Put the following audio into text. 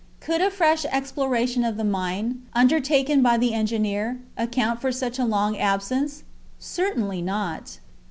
Could a fresh exploration of the mine, undertaken by the engineer, account for such a long absence? Certainly not.